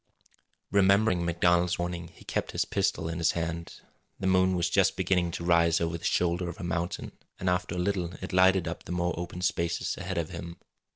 Remembering MacDonald's warning, he kept his pistol in his hand. The moon was just beginning to rise over the shoulder of a mountain, and after a little it lighted up the more open spaces ahead of him.